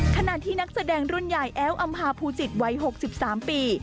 ขณะที่นักแสดงรุ่นใหญ่แอ้วอำพาภูจิตวัย๖๓ปี